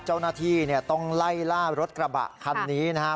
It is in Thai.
เจ้าหน้าที่ต้องไล่ล่ารถกระบะคันนี้นะครับ